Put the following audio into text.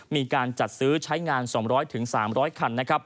มีการจัดซื้อใช้งาน๒๐๐๓๐๐คัน